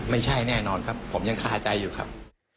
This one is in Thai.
แน่นอนครับผมยังคาใจอยู่ครับ